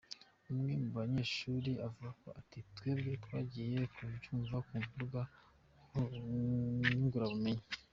Umwe mu banyeshure avuga ati: "Twebwe twagiye tuvyumva ku mbuga ngurukanabumenyi.